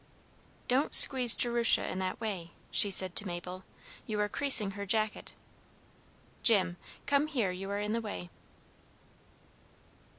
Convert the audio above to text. "Don't squeeze Jerusha in that way," she said to Mabel; "you are creasing her jacket. Jim, come here, you are in the way."